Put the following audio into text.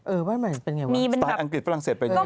เออบ้านใหม่เป็นอย่างไรวะสไตล์อังกฤษฝรั่งเศสเป็นอย่างไร